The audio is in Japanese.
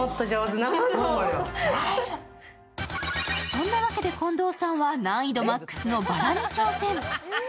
そんなわけで近藤さんは難易度マックスの薔薇に挑戦。